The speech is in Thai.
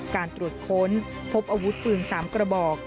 การตรวจค้นพบอาวุธปืน๓กระบอก